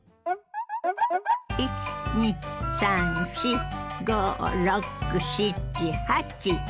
１２３４５６７８。